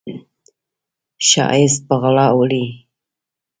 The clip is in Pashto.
ښایست په غلا وړي